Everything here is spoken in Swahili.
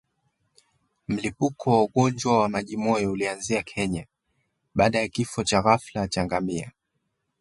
Mlipuko wa ugonjwa wa majimoyo ulianzia Kenya baada ya kifo cha ghafla cha ngamia